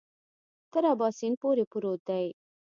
تر اباسین پورې پروت دی.